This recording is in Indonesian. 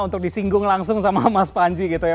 untuk disinggung langsung sama mas panji gitu ya